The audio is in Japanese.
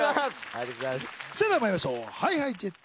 それではまいりましょう。ＨｉＨｉＪｅｔｓ